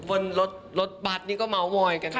บนรถบัตรนี่ก็เมาส์มอยกันค่ะ